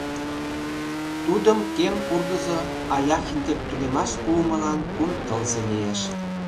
Тудым кем ургызо Аляхин дек тунемаш пуымылан кум тылзе лиеш.